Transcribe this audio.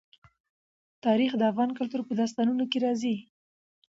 تاریخ د افغان کلتور په داستانونو کې راځي.